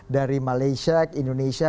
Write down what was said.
dari malaysia ke indonesia